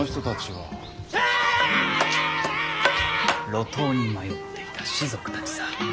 路頭に迷っていた士族たちさ。